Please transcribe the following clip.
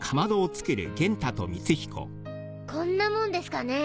こんなもんですかね？